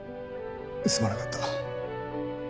すまなかった。